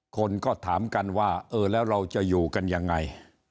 คนก็ถามกันว่าเออแล้วเราจะอยู่กันยังไง